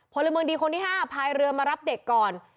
พลเมืองดีคนที่๕พายเรือมารับเด็กก่อน